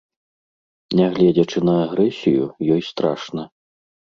Нягледзячы на агрэсію, ёй страшна.